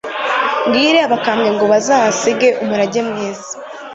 mbwire abakambwe ngo bazasige umurage mwiza